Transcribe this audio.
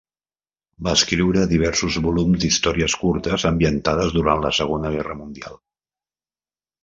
Va escriure diversos volums d"històries curtes ambientades durant la Segona Guerra Mundial.